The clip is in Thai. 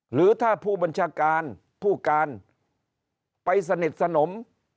หรือถ้าผู้บัญชาการผู้การไปสนิทสนม